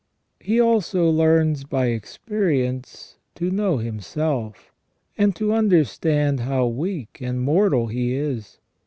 He also learns by experience to know himself, and to under stand how weak and mortal he is.